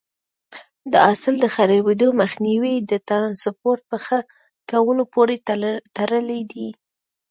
د حاصل د خرابېدو مخنیوی د ټرانسپورټ په ښه کولو پورې تړلی دی.